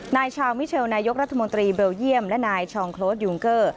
นายชาวมิเชลนายกรัฐมนตรีเบลเยี่ยมและนายชองโครสยูงเกอร์